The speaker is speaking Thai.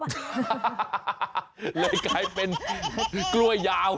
ใช่เลยกลายเป็นกล้วยยาว